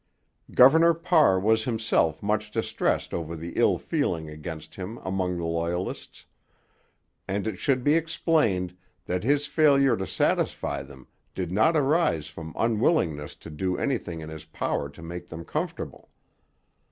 Governor Parr was himself much distressed over the ill feeling against him among the Loyalists; and it should be explained that his failure to satisfy them did not arise from unwillingness to do anything in his power to make them comfortable.